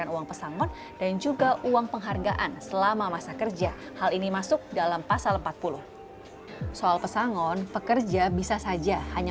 uang penghargaan selama masa kerja hal ini masuk dalam pasal empat puluh soal pesangon pekerja bisa saja hanya